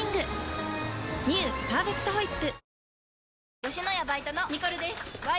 「パーフェクトホイップ」